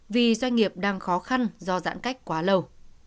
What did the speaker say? vì doanh nghiệp đang khó khăn do giãn cách quá lâu